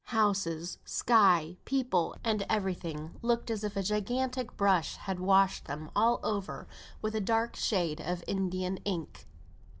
Houses, sky, people, and every thing looked as if a gigantic brush had washed them all over with a dark shade of Indian ink.